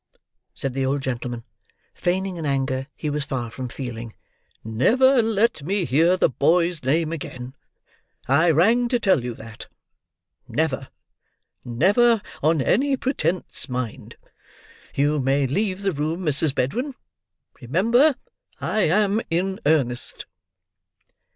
said the old gentleman, feigning an anger he was far from feeling. "Never let me hear the boy's name again. I rang to tell you that. Never. Never, on any pretence, mind! You may leave the room, Mrs. Bedwin. Remember! I am in earnest."